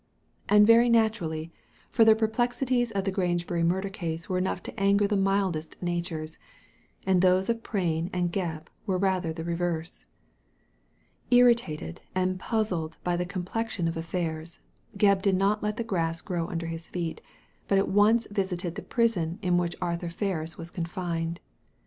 And very naturally, for the perplexities of the Grange bury murder case were enough to anger the mildest natures, and those of Prain and Gebb were rather the reverse. Irritated and puzzled by the complexion of affairs, Gebb did not let the grass grow under his feet, but at once visited the prison in which Arthur Ferris was confined.